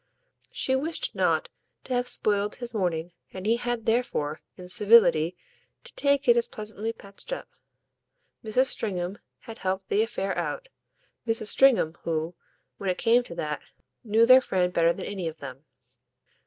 She wished not to have spoiled his morning, and he had therefore, in civility, to take it as pleasantly patched up. Mrs. Stringham had helped the affair out, Mrs. Stringham who, when it came to that, knew their friend better than any of them.